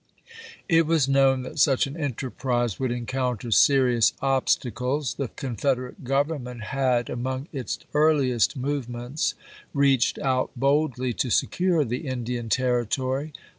It was known that such an enterprise would en counter serious obstacles. The Confederate Gov ernment had, among its earliest movements, reached out boldly to secure the Indian Territory.